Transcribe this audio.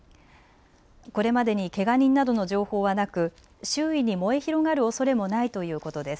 これまでにけが人などの情報はなく、周囲に燃え広がるおそれもないということです。